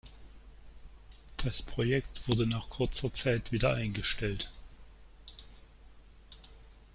Das Projekt wurde nach kurzer Zeit wieder eingestellt.